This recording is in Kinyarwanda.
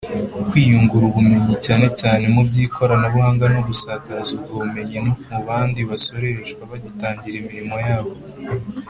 kwiyungura ubumenyi cyane cyane muby’ikoranabuhanga no gusakaza ubwo bumenyi no mubandi basoreshwa bagitangira imirimo yabo.